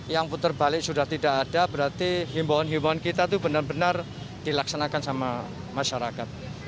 yang putar balik sudah tidak ada berarti himbauan himbauan kita itu benar benar dilaksanakan sama masyarakat